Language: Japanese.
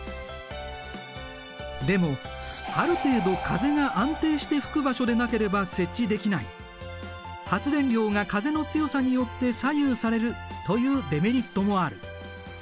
でもある程度風が安定して吹く場所でなければ設置できない発電量が風の強さによって左右されるというデメリットもある。